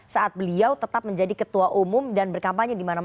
saat beliau tetap menjadi ketua umum dan berkampanye di mana mana